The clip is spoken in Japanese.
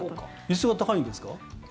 椅子が高いんですか？